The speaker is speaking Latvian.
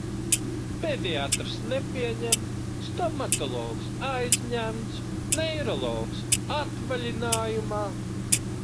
Pediatrs nepieņem. Stomatologs aizņemts. Neirologs atvaļinājumā.